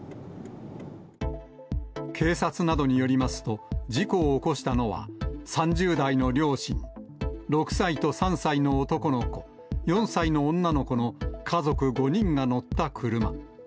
警察などによりますと、事故を起こしたのは、３０代の両親、６歳と３歳の男の子、４歳の女の子の家族５人が乗った車。